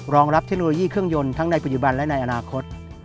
รองรับเทคโนโลยีเครื่องยนต์ทั้งในปัจจุบันและในอนาคต